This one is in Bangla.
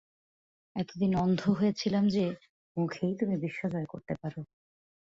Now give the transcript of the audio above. এতদিন অন্ধ হয়ে ছিলাম যে, মুখেই যে তুমি বিশ্বজয় করতে পারো।